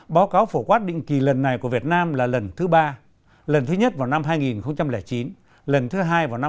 báo cáo phổ quát định kỳ lần này của việt nam là lần thứ ba lần thứ nhất vào năm hai nghìn chín lần thứ hai vào năm hai nghìn hai mươi